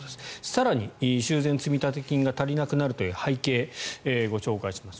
更に修繕積立金が足りなくなるという背景をご紹介します。